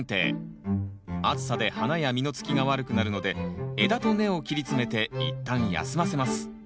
暑さで花や実のつきが悪くなるので枝と根を切り詰めて一旦休ませます